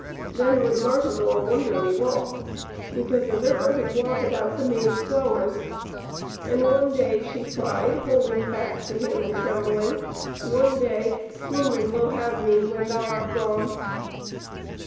Then was Martimor wonderly wroth, because the river had blotted out the Maid's flowers. "And one day," she cried, holding fast to him and trembling, "one day Flumen will have me, when thou art gone."